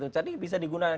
jadi bisa digunakan